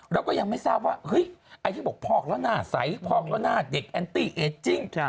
แล้วก็ยังไม่ทราบว่าเฮ้ยไอ้ที่บอกพอกแล้วหน้าใสพอกแล้วหน้าเด็กแอนตี้เอดจริง